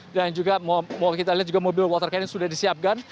dan juga mau kita lihat juga mobil water cannon sudah disiapkan